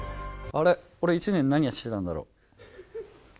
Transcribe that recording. あれ、俺、１年何してたんだろ。